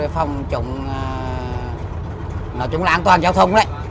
phòng chống nói chung là an toàn giao thông đấy